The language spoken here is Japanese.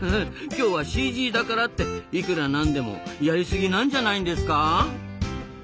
今日はＣＧだからっていくらなんでもやりすぎなんじゃないんですか？